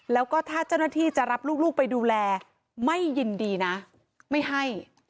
แล้วก็ถ้าเจ้าหน้าที่จะรับลูกไปดูแลไม่ยินดีนะไม่ให้